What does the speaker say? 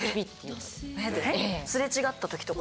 擦れ違った時とか？